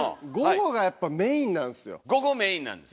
午後メインなんです。